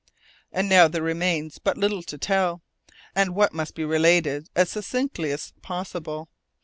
And now there remains but little to tell, and that little must be related as succinctly as possible.